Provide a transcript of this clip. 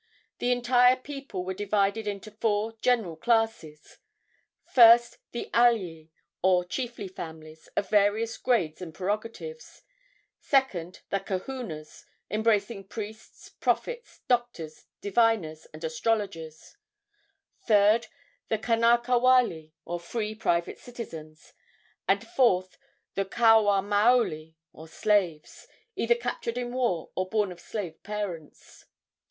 The entire people were divided into four general classes: first, the alii, or chiefly families, of various grades and prerogatives; second, the kahunas, embracing priests, prophets, doctors, diviners and astrologers; third, the kanaka wale, or free private citizens; and, fourth, the kauwa maoli, or slaves, either captured in war or born of slave parents.